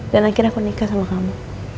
dan akhirnya aku nikah sama kamu